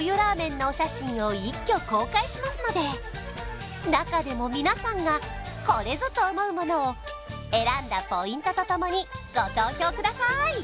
なお写真を一挙公開しますので中でもみなさんが「これぞ！」と思うものを選んだポイントとともにご投票くださーい！